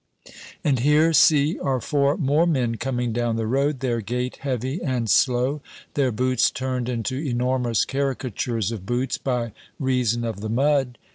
And here, see, are four more men coming down the road, their gait heavy and slow, their boots turned into enormous caricatures of boots by reason of the mud.